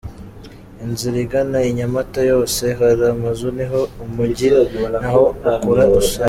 Inzira igana i Nyamata yose hari amazu niho umugi naho ukura usatira.